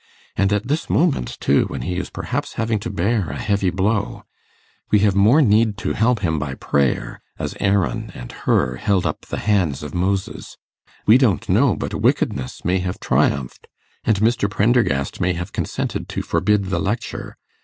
And at this moment, too, when he is perhaps having to bear a heavy blow. We have more need to help him by prayer, as Aaron and Hur held up the hands of Moses. We don't know but wickedness may have triumphed, and Mr. Prendergast may have consented to forbid the lecture.